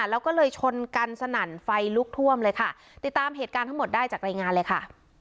แล้วก็เลยชนกันสนั่นไฟลุกท่วมเลยค่ะติดตามเหตุการณ์ทั้งหมดได้จากรายงานเลยค่ะ